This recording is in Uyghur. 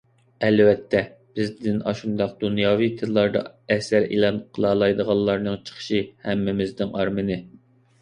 ئەلۋەتتە، بىزدىن ئاشۇنداق دۇنياۋى تىللاردا ئەسەر ئېلان قىلالايدىغانلارنىڭ چىقىشى ھەممىمىزنىڭ ئارمىنى.